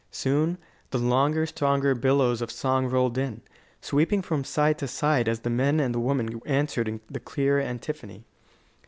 Soon the longer, stronger billows of song rolled in, sweeping from side to side as the men and the women answered in the clear antiphony.